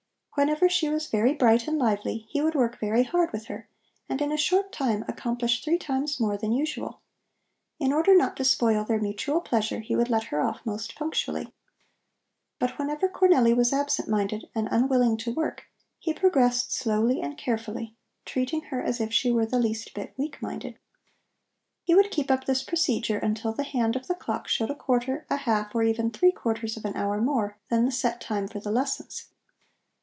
Whenever she was very bright and lively, he would work very hard with her and in a short time accomplish three times more than usual. In order not to spoil their mutual pleasure he would let her off most punctually. But whenever Cornelli was absent minded and unwilling to work, he progressed slowly and carefully, treating her as if she were the least bit weak minded. He would keep up this procedure till the hand of the clock showed a quarter, a half, or even three quarters of an hour more than the set time for the lessons.